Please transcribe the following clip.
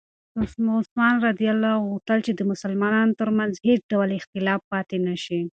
عثمان رض غوښتل چې د مسلمانانو ترمنځ هېڅ ډول اختلاف پاتې نه شي.